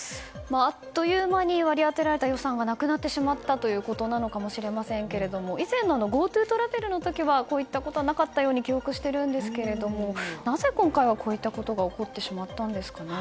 あっという間に割り当てられた予算がなくなってしまったということなのかもしれませんけれども以前のＧｏＴｏトラベルの時はこういったこと、なかったように記憶しているんですけどもなぜ、今回はこういったことが起こってしまったんですかね。